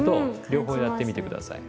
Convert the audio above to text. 両方やってみて下さい。